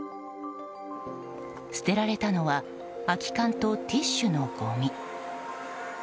捨てられたのは空き缶とティッシュのごみ。